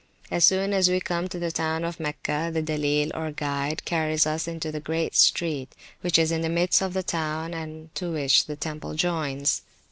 As soon as we come to the town of Mecca, the Dilleel, or guide, carries us into the great street, which is in the midst of the town, and to which the temple joins.